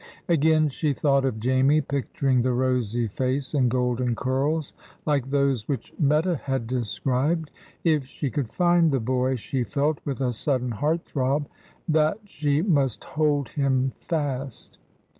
Again she thought of Jamie, picturing the rosy face and golden curls, like those which Meta had described. If she could find the boy, she felt, with a sudden heart throb, that she must hold him fast.